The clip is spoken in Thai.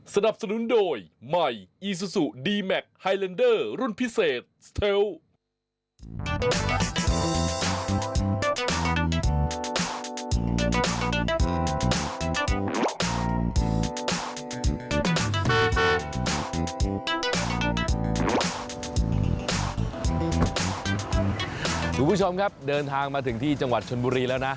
คุณผู้ชมครับเดินทางมาถึงที่จังหวัดชนบุรีแล้วนะ